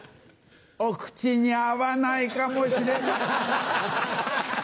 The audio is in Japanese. お口に合わないかもしれません。